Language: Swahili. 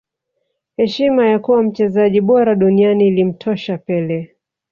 heshima ya kuwa mchezaji bora duniani ilimtosha pele